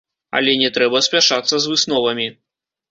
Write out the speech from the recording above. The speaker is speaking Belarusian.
Але не трэба спяшацца з высновамі.